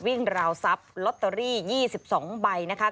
ราวทรัพย์ลอตเตอรี่๒๒ใบนะคะ